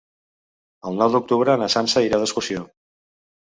El nou d'octubre na Sança irà d'excursió.